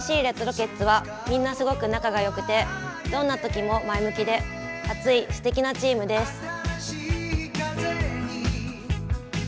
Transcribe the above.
ＮＥＣレッドロケッツはみんなすごく仲がよくてどんなときも前向きで、熱いすてきなチームです。